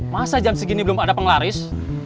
masa jam segini belum ada penglaris